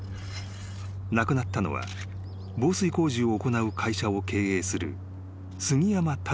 ［亡くなったのは防水工事を行う会社を経営する杉山忠さん］